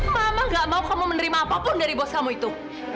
mama gak mau kamu menerima apapun dari bos kamu itu